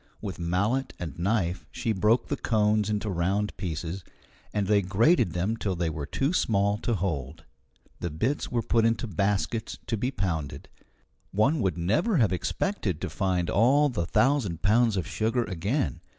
With mallet and knife she broke the cones into round pieces, and they grated them till they were too small to hold. The bits were put into baskets to be pounded. One would never have expected to find all the thousand pounds of sugar again.